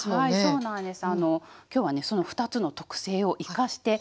そうなんです。